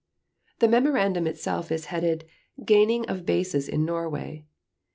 The memorandum itself is headed "Gaining of Bases in Norway".